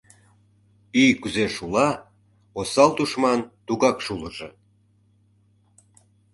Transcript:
Ӱй кузе шула, осал тушман тугак шулыжо.